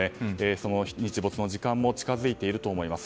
その日没の時間も近づいていると思います。